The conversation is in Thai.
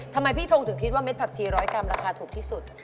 ทำไมพี่ทงถึงคิดว่าเด็ดผักชีร้อยกรัมราคาถูกที่สุด